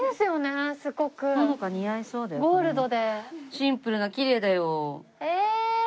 シンプルなきれいだよ。え！